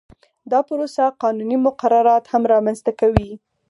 دا پروسه قانوني مقررات هم رامنځته کوي